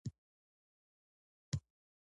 استاده نن مو ډیر ګټور معلومات ترلاسه کړل